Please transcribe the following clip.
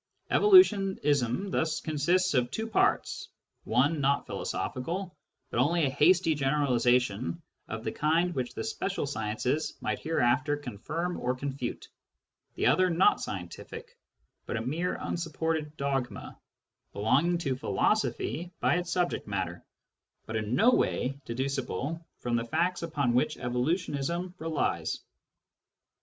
Evolutionism thus consists of two parts : one not philo sophical, but only a hasty generalisation of the kind which the special sciences might hereafter confirm or confute ; the other not scientific, but a mere unsupported dogma, belonging to philosophy by its subject matter, but in no way deducible from the facts upon which evolution relies.